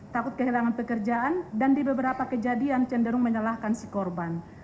takut kehilangan pekerjaan dan di beberapa kejadian cenderung menyalahkan si korban